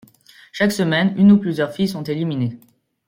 Chaque semaine une ou plusieurs filles sont éliminées.